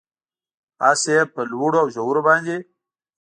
اس یې په لوړو اوژورو باندې،